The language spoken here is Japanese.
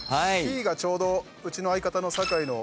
Ｃがちょうどうちの相方の酒井の。